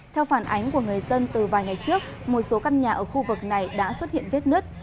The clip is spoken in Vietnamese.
theo phản ánh của người dân từ vài ngày trước một số căn nhà ở khu vực này đã xuất hiện vết nứt